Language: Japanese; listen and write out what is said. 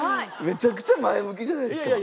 めちゃくちゃ前向きじゃないですか。